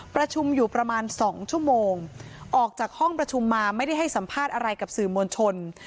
ประชุมอยู่ประมาณ๒ชั่วโมงออกจากห้องประชุมมาไม่ได้ให้สัมภาษณ์อะไรกับสื่อมวลชน